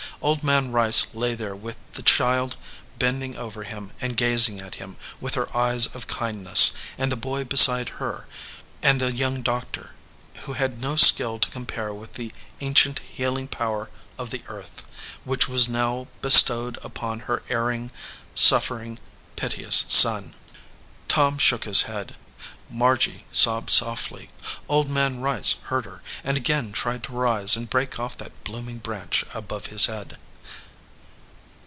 Old Man Rice lay there with the child bending over him and gazing at him with her eyes of kindness, and the boy beside her, arid the young doctor, who had no skill to compare with the ancient healing power of the earth, which 49 EDGEWATER PEOPLE was now being bestowed upon her erring, suffer ing, piteous son. Tom shook his head. Margy sobbed softly. Old Man Rice heard her, and again tried to rise and break off that blooming branch above his head.